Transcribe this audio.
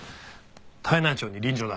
泰内町に臨場だ。